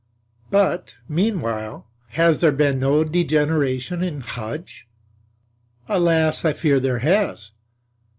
But, meanwhile, has there been no degeneration in Hudge? Alas, I fear there has.